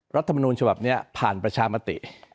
รัฐมนูลฉบับนี้ผ่านประชามติ